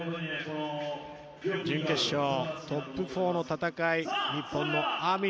準決勝トップ４の戦い、日本のＡＭＩ。